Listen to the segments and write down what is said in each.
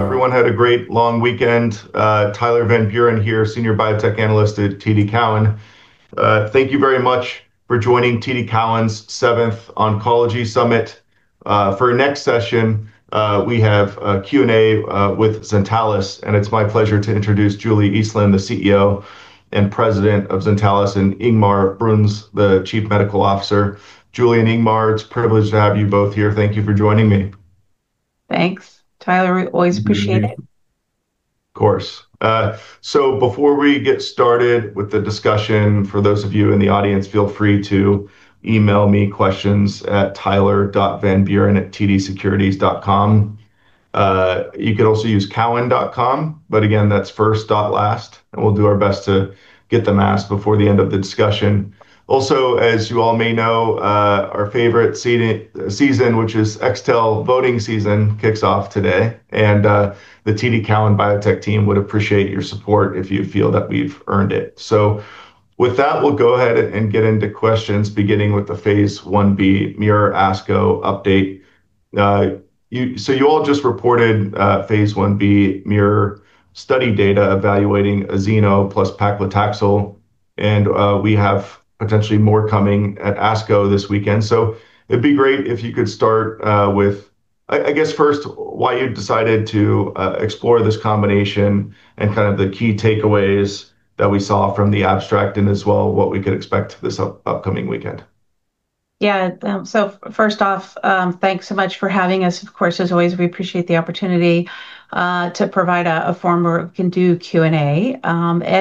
Everyone had a great long weekend. Tyler Van Buren here, Senior Biotech Analyst at TD Cowen. Thank you very much for joining TD Cowen's 7th Oncology Summit. For our next session, we have a Q&A with Zentalis, it's my pleasure to introduce Julie Eastland, the CEO and President of Zentalis, and Ingmar Bruns, the Chief Medical Officer. Julie and Ingmar, it's a privilege to have you both here. Thank you for joining me. Thanks, Tyler. We always appreciate it. Of course. Before we get started with the discussion, for those of you in the audience, feel free to email me questions at tyler.vanburen@tdsecurities.com. You can also use cowen.com, but again, that's first last, and we'll do our best to get them asked before the end of the discussion. Also, as you all may know, our favorite season, which is Extel voting season, kicks off today. The TD Cowen Biotech team would appreciate your support if you feel that we've earned it. With that, we'll go ahead and get into questions, beginning with the phase I-B MUIR ASCO update. You all just reported phase I-B MUIR study data evaluating azenosertib plus paclitaxel, and we have potentially more coming at ASCO this weekend. It'd be great if you could start with, I guess first, why you decided to explore this combination and the key takeaways that we saw from the abstract, and as well, what we could expect this upcoming weekend. Yeah. First off, thanks so much for having us. Of course, as always, we appreciate the opportunity to provide a forum where we can do Q&A.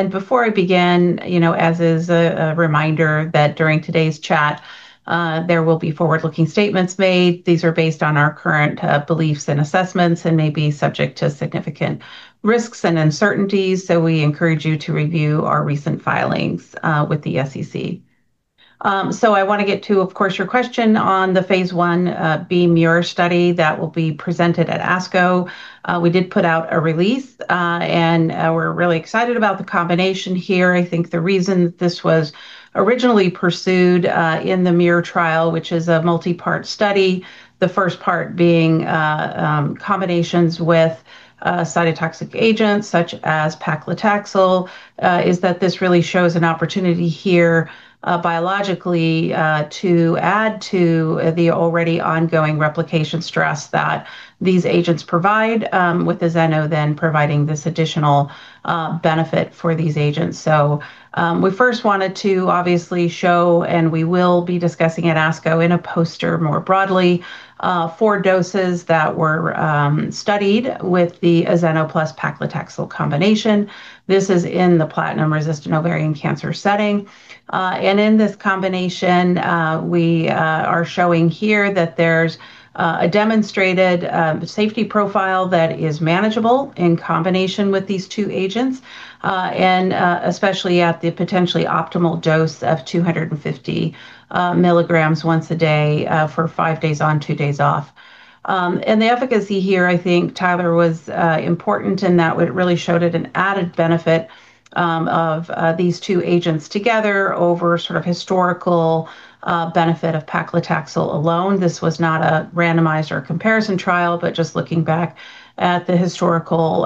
Before I begin, as is a reminder that during today's chat, there will be forward-looking statements made. These are based on our current beliefs and assessments and may be subject to significant risks and uncertainties, so we encourage you to review our recent filings with the SEC. I want to get to, of course, your question on the phase I-B MUIR study that will be presented at ASCO. We did put out a release, and we're really excited about the combination here. I think the reason that this was originally pursued in the MUIR trial, which is a multi-part study, the first part being combinations with cytotoxic agents such as paclitaxel, is that this really shows an opportunity here biologically to add to the already ongoing replication stress that these agents provide, with azenosertib then providing this additional benefit for these agents. We first wanted to obviously show, and we will be discussing at ASCO in a poster more broadly, four doses that were studied with the azenosertib plus paclitaxel combination. This is in the platinum-resistant ovarian cancer setting. In this combination, we are showing here that there's a demonstrated safety profile that is manageable in combination with these two agents, and especially at the potentially optimal dose of 250 mg once a day for five days on, two days off. The efficacy here, I think, Tyler, was important in that it really showed an added benefit of these two agents together over historical benefit of paclitaxel alone. This was not a randomized or comparison trial, but just looking back at the historical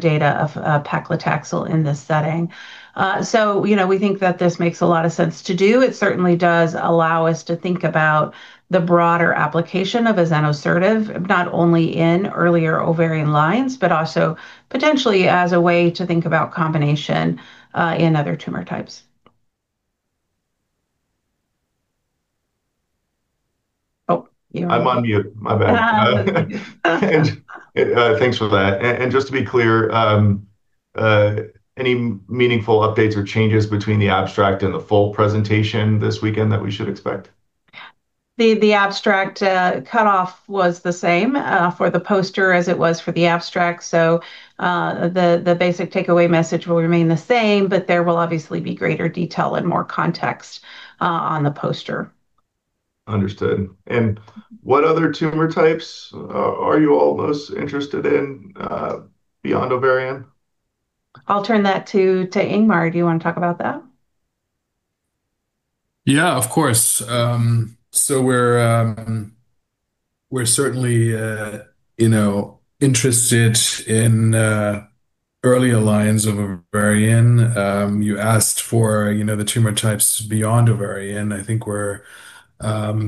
data of paclitaxel in this setting. We think that this makes a lot of sense to do. It certainly does allow us to think about the broader application of azenosertib, not only in earlier ovarian lines, but also potentially as a way to think about combination in other tumor types. Oh. I'm on mute. My bad. Thanks for that. Just to be clear, any meaningful updates or changes between the abstract and the full presentation this weekend that we should expect? The abstract cutoff was the same for the poster as it was for the abstract. The basic takeaway message will remain the same, but there will obviously be greater detail and more context on the poster. Understood. What other tumor types are you all most interested in beyond ovarian? I'll turn that to Ingmar. Do you want to talk about that? Of course. We're certainly interested in early lines of ovarian. You asked for the tumor types beyond ovarian. I think we're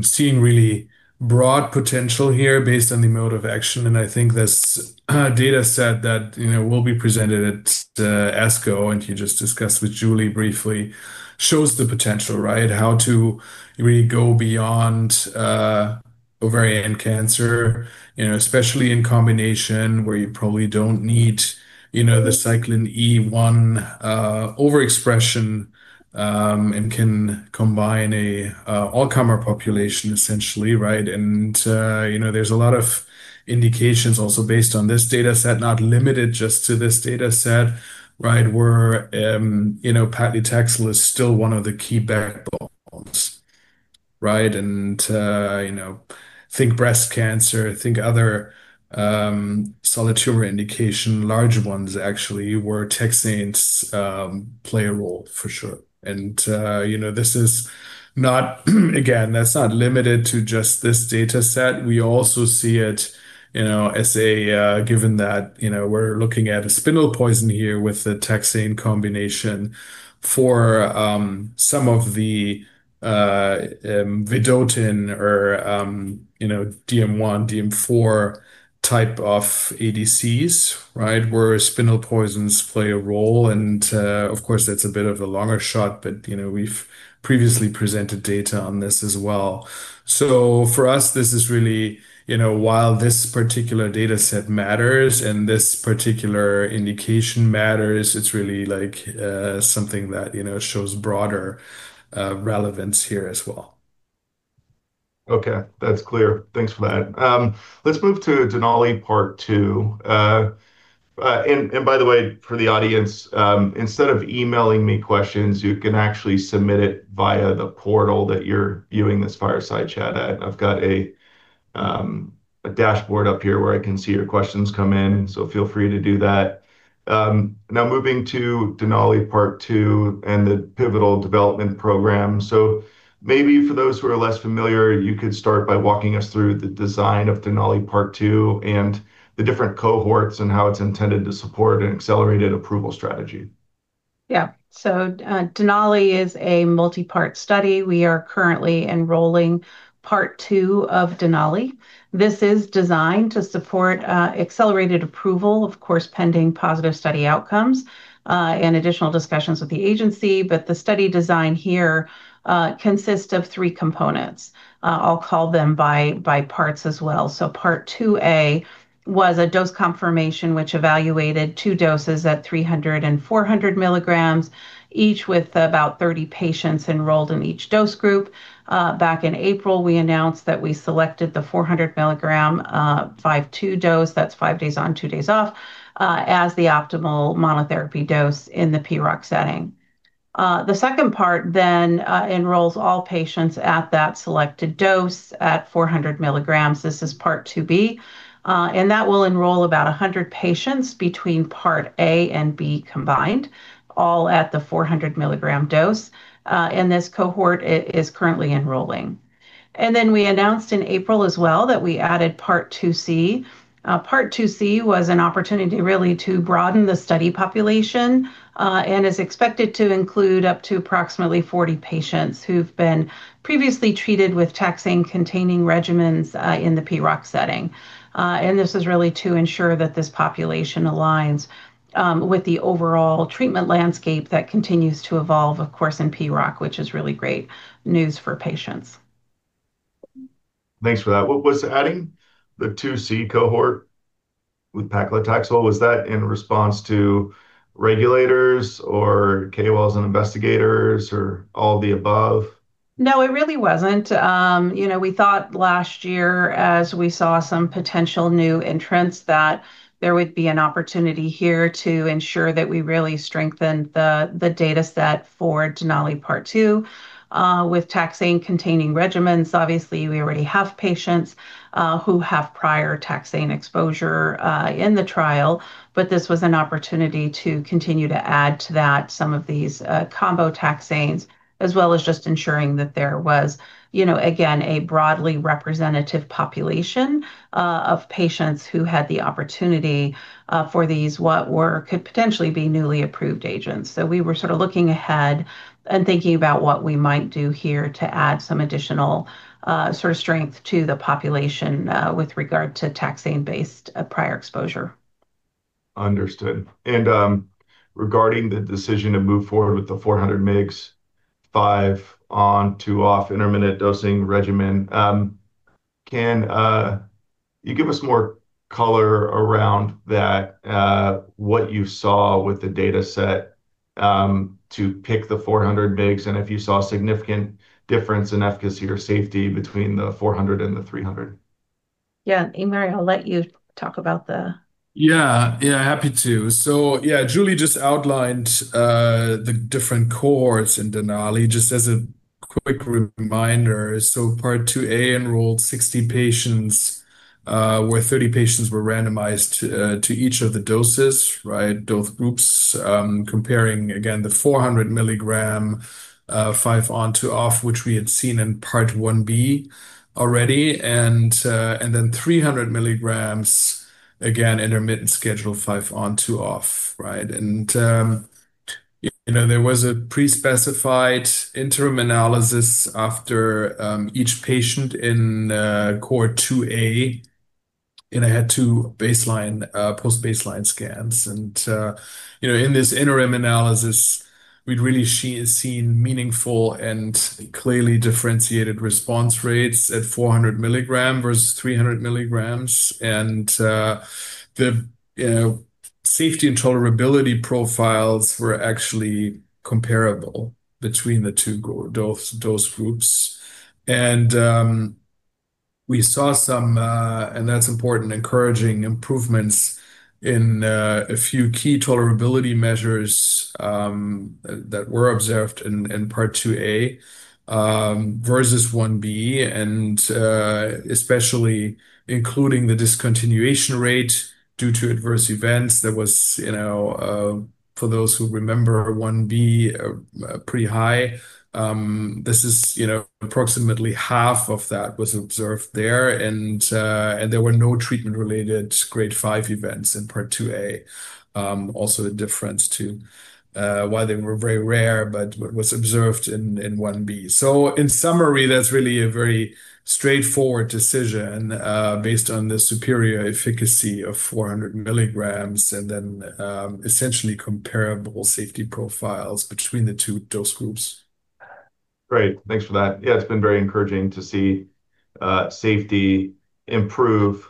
seeing really broad potential here based on the mode of action, and I think this data set that will be presented at ASCO, and you just discussed with Julie briefly, shows the potential. How to really go beyond ovarian cancer, especially in combination where you probably don't need the Cyclin E1 overexpression, and can combine all comer population, essentially. There's a lot of indications also based on this data set, not limited just to this data set, where paclitaxel is still one of the key backbones. Think breast cancer, think other solid tumor indication, larger ones actually, where taxanes play a role for sure. Again, that's not limited to just this data set. We also see it as given that we're looking at a spindle poison here with a taxane combination for some of the vedotin or DM1, DM4 type of ADCs. Where spindle poisons play a role and, of course, that's a bit of a longer shot, but we've previously presented data on this as well. For us, this is really while this particular data set matters and this particular indication matters, it's really something that shows broader relevance here as well. Okay, that's clear. Thanks for that. Let's move to DENALI Part 2. By the way, for the audience, instead of emailing me questions, you can actually submit it via the portal that you're viewing this fireside chat at. I've got a dashboard up here where I can see your questions come in, feel free to do that. Moving to DENALI Part 2 and the pivotal development program. Maybe for those who are less familiar, you could start by walking us through the design of DENALI Part 2 and the different cohorts and how it's intended to support an accelerated approval strategy. Yeah. DENALI is a multi-part study. We are currently enrolling Part 2 of DENALI. This is designed to support accelerated approval, of course, pending positive study outcomes, and additional discussions with the agency. The study design here consists of three components. I'll call them by parts as well. Part 2A was a dose confirmation which evaluated two doses at 300 mg and 400 mg, each with about 30 patients enrolled in each dose group. Back in April, we announced that we selected the 400 mg 5:2 dose, that's five days on, two days off, as the optimal monotherapy dose in the PROC setting. The second part then enrolls all patients at that selected dose at 400 mg. This is Part 2B, and that will enroll about 100 patients between Part A and B combined, all at the 400 mg dose. This cohort is currently enrolling. We announced in April as well that we added Part 2C. Part 2C was an opportunity really to broaden the study population, and is expected to include up to approximately 40 patients who've been previously treated with taxane-containing regimens in the PROC setting. This is really to ensure that this population aligns with the overall treatment landscape that continues to evolve, of course, in PROC, which is really great news for patients. Thanks for that. What was adding the Part 2C cohort with paclitaxel, was that in response to regulators or KOLs and investigators or all the above? No, it really wasn't. We thought last year as we saw some potential new entrants that there would be an opportunity here to ensure that we really strengthened the data set for DENALI Part 2 with taxane-containing regimens. Obviously, we already have patients who have prior taxane exposure in the trial, but this was an opportunity to continue to add to that some of these combo taxanes, as well as just ensuring that there was, again, a broadly representative population of patients who had the opportunity for these, what could potentially be newly approved agents. We were sort of looking ahead and thinking about what we might do here to add some additional sort of strength to the population with regard to taxane-based prior exposure. Understood. Regarding the decision to move forward with the 400 mg five on, two off intermittent dosing regimen, can you give us more color around that, what you saw with the data set to pick the 400 mg, and if you saw significant difference in efficacy or safety between the 400 mg and the 300 mg? Yeah. Ingmar, I'll let you talk about. Yeah. Happy to. Yeah, Julie just outlined the different cohorts in DENALI. Just as a quick reminder, Part 2A enrolled 60 patients, where 30 patients were randomized to each of the doses. Dose groups, comparing, again, the 400 mg five on, two off, which we had seen in Part 1B already. Then 300 mg, again, intermittent schedule five on, two off. There was a pre-specified interim analysis after each patient in cohort 2A, and it had two post-baseline scans. In this interim analysis, we'd really seen meaningful and clearly differentiated response rates at 400 mg versus 300 mg. The safety and tolerability profiles were actually comparable between the two dose groups. We saw some, and that's important, encouraging improvements in a few key tolerability measures that were observed in Part 2A versus Part 1B, especially including the discontinuation rate due to adverse events. There was, for those who remember Part 1B, pretty high. Approximately half of that was observed there, and there were no treatment-related Grade 5 events in Part 2A. Also a difference, too. While they were very rare, but what was observed in Part 1B. In summary, that's really a very straightforward decision based on the superior efficacy of 400 mg, and then essentially comparable safety profiles between the two dose groups. Great. Thanks for that. Yeah, it's been very encouraging to see safety improve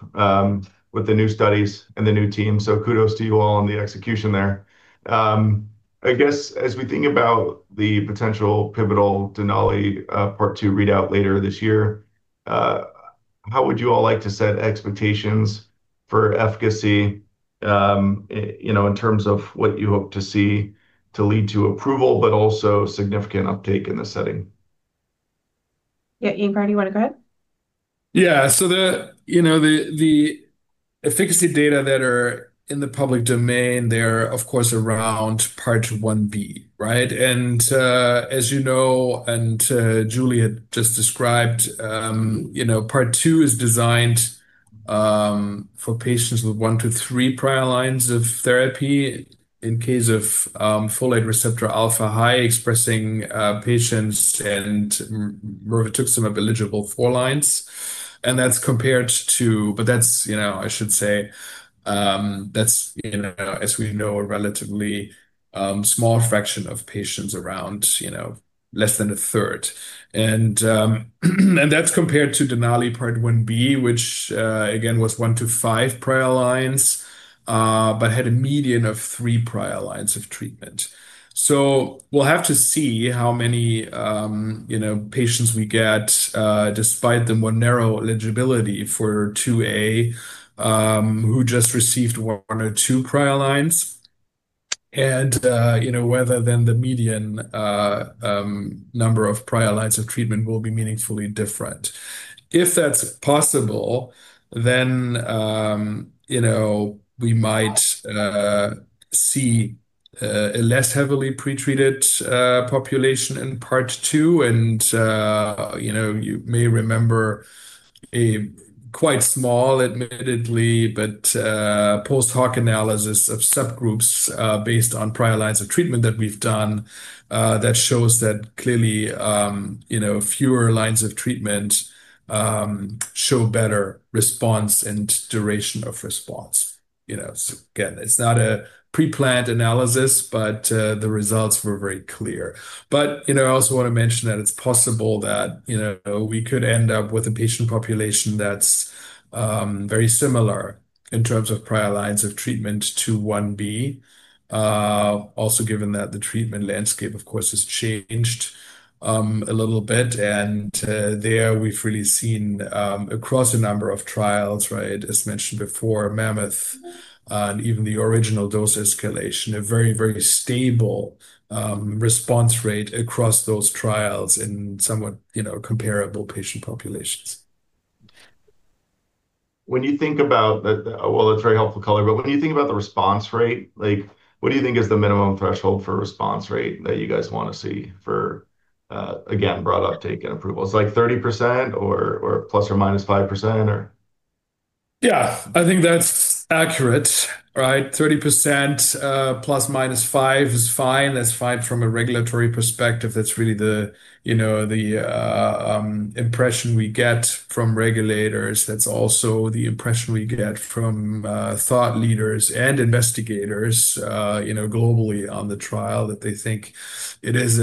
with the new studies and the new team. Kudos to you all on the execution there. I guess, as we think about the potential pivotal DENALI Part 2 readout later this year, how would you all like to set expectations for efficacy, in terms of what you hope to see to lead to approval, but also significant uptake in the setting? Ingmar, you want to go ahead? Yeah. The efficacy data that are in the public domain, they're of course around Part 1B, right? As you know, Julie just described, Part 2 is designed for patients with one to three prior lines of therapy in case of folate receptor alpha-high-expressing patients and [mirvetuximab eligible four lines. I should say, that's, as we know, a relatively small fraction of patients around less than a 1/3. That's compared to DENALI Part 1B, which, again, was one to five prior lines, but had a median of three prior lines of treatment. We'll have to see how many patients we get, despite the more narrow eligibility for Part 2A, who just received one or two prior lines. Whether then the median number of prior lines of treatment will be meaningfully different. If that's possible, then we might see a less heavily pretreated population in Part 2, and you may remember a quite small, admittedly, but post hoc analysis of subgroups based on prior lines of treatment that we've done, that shows that clearly fewer lines of treatment show better response and duration of response. Again, it's not a pre-planned analysis, but the results were very clear. I also want to mention that it's possible that we could end up with a patient population that's very similar in terms of prior lines of treatment to Part 1B. Also given that the treatment landscape, of course, has changed a little bit, and there we've really seen across a number of trials, as mentioned before, MAMMOTH, even the original dose escalation, a very, very stable response rate across those trials in somewhat comparable patient populations. When you think about Well, that's very helpful color, when you think about the response rate, what do you think is the minimum threshold for response rate that you guys want to see for, again, broad uptake and approval? Is it like 30% or ±5% or? Yeah, I think that's accurate. 30%, ±5% is fine. That's fine from a regulatory perspective. That's really the impression we get from regulators. That's also the impression we get from thought leaders and investigators globally on the trial, that they think it is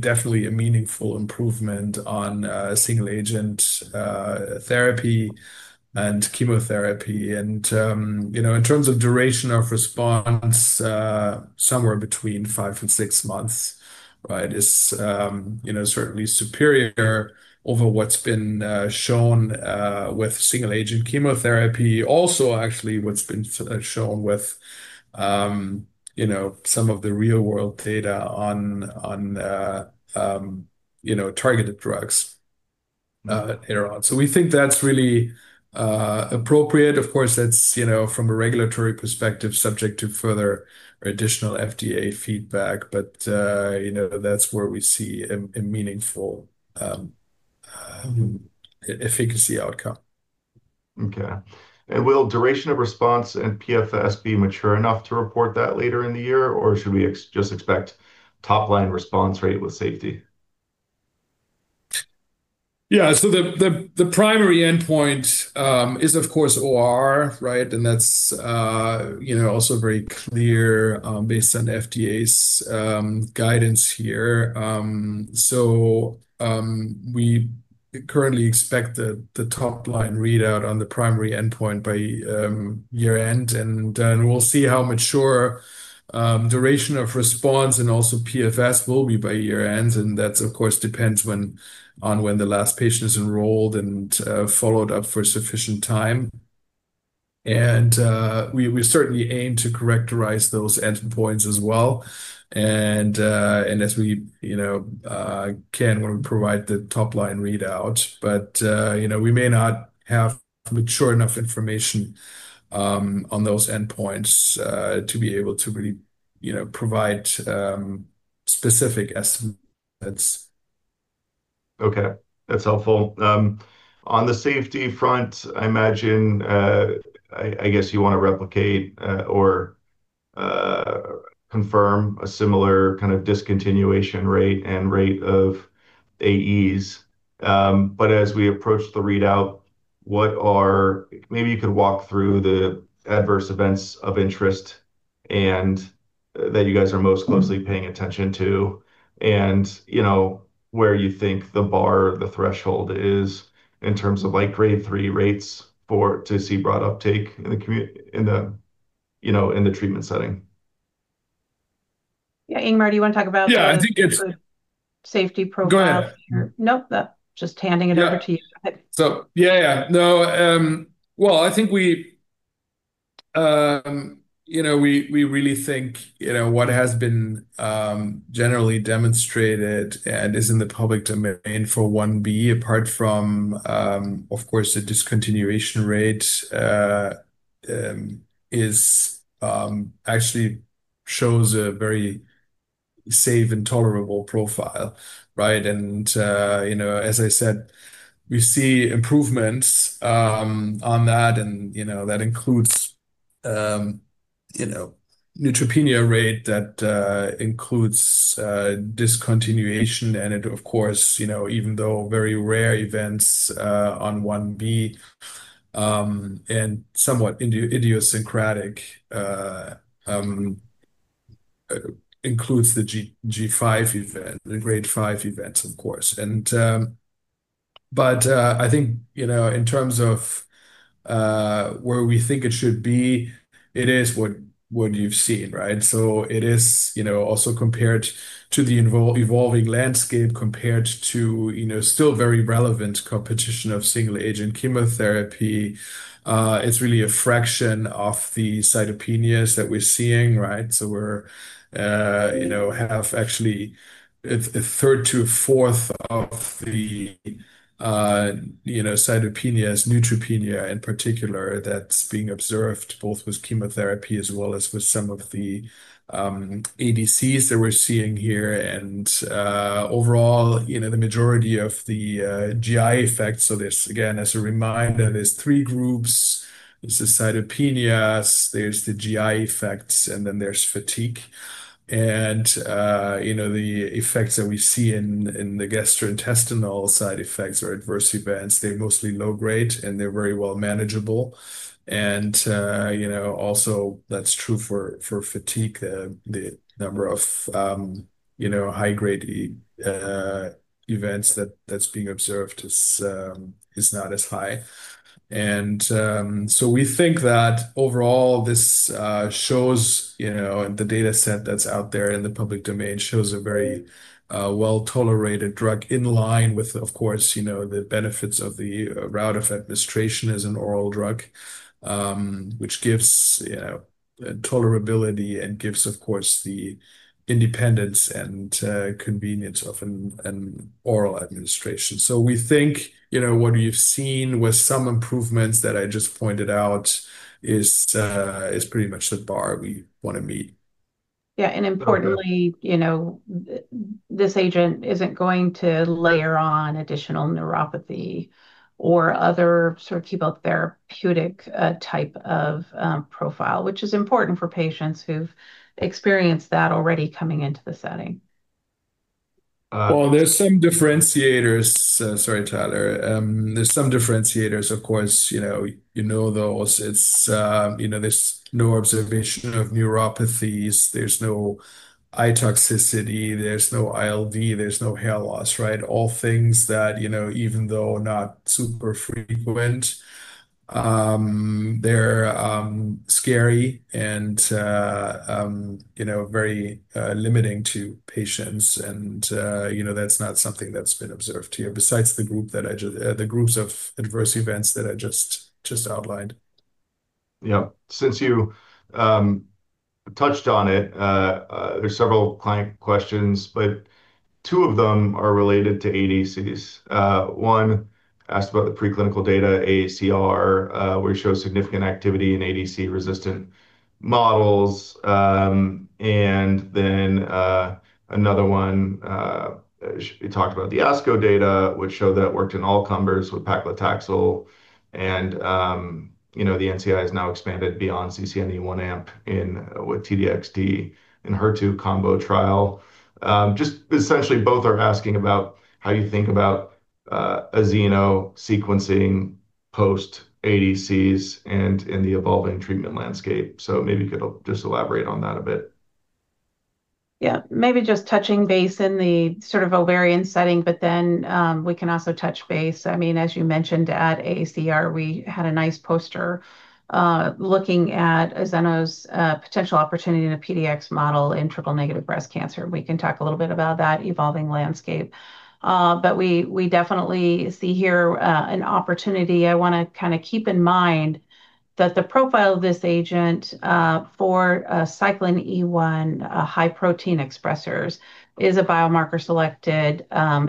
definitely a meaningful improvement on single-agent therapy and chemotherapy. In terms of duration of response, somewhere between five and six months is certainly superior over what's been shown with single-agent chemotherapy. Actually, what's been shown with some of the real-world data on targeted drugs herein. We think that's really appropriate. Of course, that's from a regulatory perspective, subject to further additional FDA feedback, but that's where we see a meaningful efficacy outcome. Okay. Will duration of response and PFS be mature enough to report that later in the year, or should we just expect top-line response rate with safety? Yeah. The primary endpoint is of course ORR, right? That's also very clear, based on FDA's guidance here. We currently expect the top-line readout on the primary endpoint by year-end, and then we'll see how mature duration of response and also PFS will be by year-end. That, of course, depends on when the last patient is enrolled and followed up for a sufficient time. We certainly aim to characterize those endpoints as well and as we can, we'll provide the top-line readout. We may not have mature enough information on those endpoints to be able to really provide specific estimates. Okay, that's helpful. On the safety front, I imagine, I guess you want to replicate or confirm a similar kind of discontinuation rate and rate of AEs. As we approach the readout, maybe you could walk through the adverse events of interest and that you guys are most closely paying attention to, and where you think the bar or the threshold is in terms of like Grade 3 rates to see broad uptake in the treatment setting. Yeah. Ingmar, do you want to talk about- Yeah, I think- Safety profile? Go ahead. Nope. Just handing it over to you. Yeah. Well, I think we really think what has been generally demonstrated and is in the public domain for Part 1B, apart from, of course, the discontinuation rate, actually shows a very safe and tolerable profile, right? As I said, we see improvements on that, and that includes neutropenia rate, that includes discontinuation. It, of course, even though very rare events on Part 1B, and somewhat idiosyncratic, includes the G5 event, the Grade 5 events, of course. I think, in terms of where we think it should be, it is what you've seen, right? It is also compared to the evolving landscape compared to still very relevant competition of single-agent chemotherapy. It's really a fraction of the cytopenias that we're seeing, right? We're have actually a 1/3-1/4 of the cytopenias, neutropenia in particular, that's being observed both with chemotherapy as well as with some of the ADCs that we're seeing here. Overall, the majority of the GI effects, so this, again, as a reminder, there's three groups. There's the cytopenias, there's the GI effects, and then there's fatigue. The effects that we see in the gastrointestinal side effects or adverse events, they're mostly low-grade, and they're very well manageable. Also that's true for fatigue. The number of high-grade events that's being observed is not as high. We think that overall, this shows, in the dataset that's out there in the public domain, shows a very well-tolerated drug in line with, of course, the benefits of the route of administration as an oral drug, which gives tolerability and gives, of course, the independence and convenience of an oral administration. We think what you've seen with some improvements that I just pointed out is pretty much the bar we want to meet. Yeah, importantly, this agent isn't going to layer on additional neuropathy or other sorts of therapeutic type of profile, which is important for patients who've experienced that already coming into the setting. Well, there's some differentiators Sorry, Tyler. There's some differentiators, of course. You know those. There's no observation of neuropathies, there's no eye toxicity, there's no ILD, there's no hair loss, right? All things that, even though not super frequent, they're scary and very limiting to patients. That's not something that's been observed here, besides the groups of adverse events that I just outlined. Yeah. Since you touched on it, there's several client questions, but two of them are related to ADCs. One asked about the preclinical data, AACR, which shows significant activity in ADC-resistant models. Another one, she talked about the ASCO data, which showed that it worked in all comers with paclitaxel, and the NCI has now expanded beyond CCNE1 amp in with T-DXd in ENHERTU combo trial. Just essentially both are asking about how you think about azenosertib sequencing post-ADCs and in the evolving treatment landscape. Maybe you could just elaborate on that a bit. Yeah, maybe just touching base in the ovarian setting, but then we can also touch base. As you mentioned at AACR, we had a nice poster looking at azenosertib's potential opportunity in a PDX model in triple-negative breast cancer. We can talk a little bit about that evolving landscape. We definitely see here an opportunity. I want to keep in mind that the profile of this agent for Cyclin E1 high protein expressers is a biomarker-selected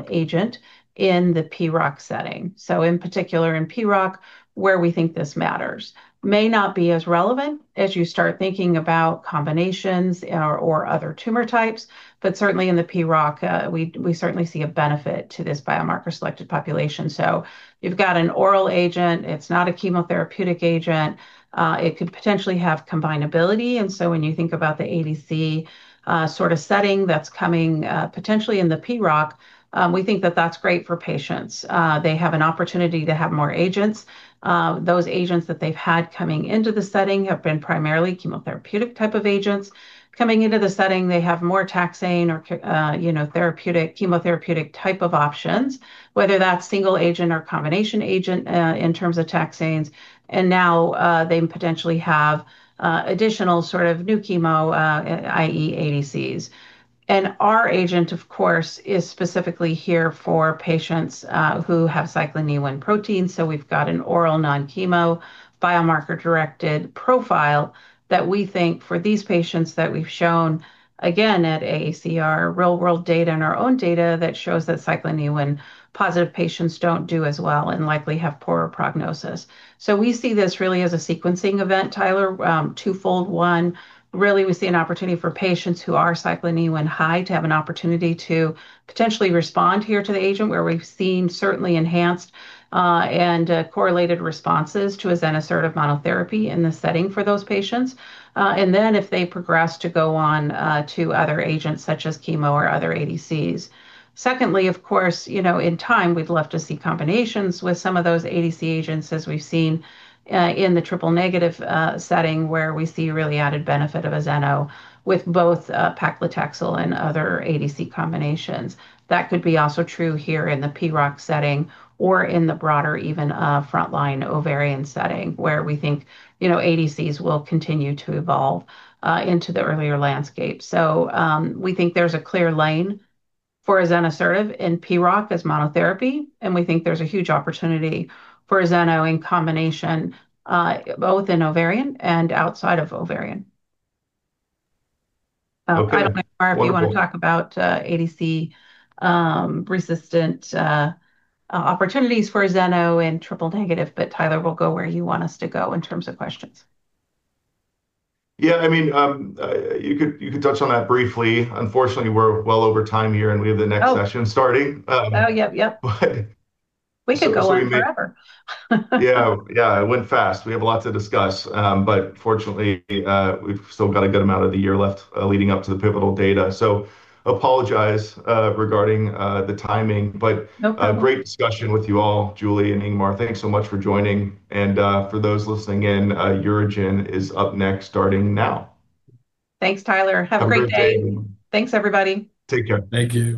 agent in the PROC setting. In particular in PROC, where we think this matters may not be as relevant as you start thinking about combinations or other tumor types, but certainly in the PROC, we certainly see a benefit to this biomarker-selected population. You've got an oral agent. It's not a chemotherapeutic agent. It could potentially have combinability, and so when you think about the ADC setting that's coming potentially in the PROC, we think that that's great for patients. They have an opportunity to have more agents. Those agents that they've had coming into the setting have been primarily chemotherapeutic type of agents. Coming into the setting, they have more taxane or chemotherapeutic type of options, whether that's single agent or combination agent in terms of taxanes, and now they potentially have additional new chemo, i.e., ADCs. Our agent, of course, is specifically here for patients who have Cyclin E1 protein, so we've got an oral non-chemo biomarker-directed profile that we think for these patients that we've shown, again, at AACR, real-world data and our own data that shows that Cyclin E1-positive patients don't do as well and likely have poorer prognosis. We see this really as a sequencing event, Tyler, twofold. One, really, we see an opportunity for patients who are Cyclin E1 high to have an opportunity to potentially respond here to the agent, where we've seen certainly enhanced and correlated responses to azenosertib monotherapy in the setting for those patients. If they progress, to go on to other agents such as chemo or other ADCs. Secondly, of course, in time, we'd love to see combinations with some of those ADC agents as we've seen in the triple-negative setting, where we see really added benefit of azenosertib with both paclitaxel and other ADC combinations. That could be also true here in the PROC setting or in the broader even frontline ovarian setting, where we think ADCs will continue to evolve into the earlier landscape. We think there's a clear lane for azenosertib and PROC as monotherapy, and we think there's a huge opportunity for azenosertib in combination, both in ovarian and outside of ovarian. Okay. Wonderful. Ingmar, if you want to talk about ADC-resistant opportunities for azenosertib in triple-negative, but Tyler, we'll go where you want us to go in terms of questions. Yeah, you could touch on that briefly. Unfortunately, we're well over time here, and we have the next session starting. Oh, yep. We could go on forever. Yeah, it went fast. We have a lot to discuss, but fortunately, we've still got a good amount of the year left leading up to the pivotal data. Apologize regarding the timing. Nope. Great discussion with you all. Julie and Ingmar, thanks so much for joining. For those listening in, UroGen is up next, starting now. Thanks, Tyler. Have a great day. Have a great day. Thanks, everybody. Take care. Thank you.